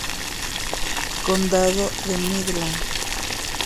Condado de Midland